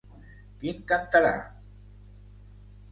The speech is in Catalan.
Quin cantarà?